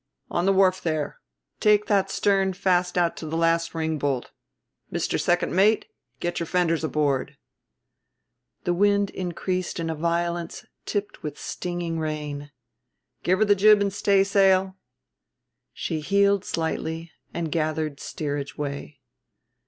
"On the wharf there take that stern fast out to the last ringbolt. Mr. Second Mate... get your fenders aboard." The wind increased in a violence tipped with stinging rain. "Give her the jib and stay sail." She heeled slightly and gathered steerage way.